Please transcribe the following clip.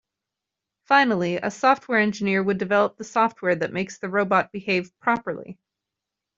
Finally, a software engineer would develop the software that makes the robot behave properly.